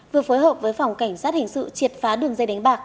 vừa phối hợp với phòng cảnh sát hình sự triệt phá đường dây đánh bạc